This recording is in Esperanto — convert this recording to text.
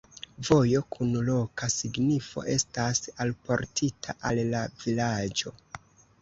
Vojo kun loka signifo estas alportita al la vilaĝo.